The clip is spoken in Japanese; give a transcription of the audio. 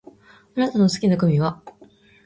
あなたの好きなグミは？